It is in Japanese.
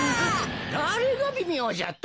だれがびみょうじゃと？